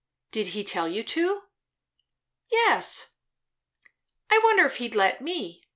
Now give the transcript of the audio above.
"Did he tell you to?" "Yes." "I wonder if he'd let me?